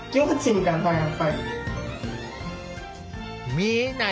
見えない